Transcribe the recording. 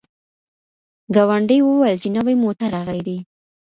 ګاونډي وویل چي نوی موټر راغلی دی.